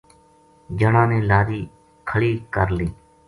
جنا نے لاری کھلی کر لئی